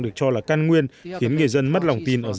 được cho là can nguyên khiến người dân mất lòng tin ở